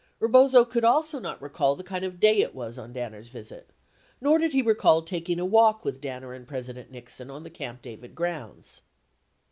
68 Rebozo could also not recall the kind of day it was on Danner's visit, nor did he recall taking a walk with Danner and President Nixon on the Camp David grounds.